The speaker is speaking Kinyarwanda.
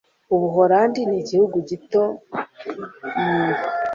Ubuholandi ni igihugu gito. (muntu)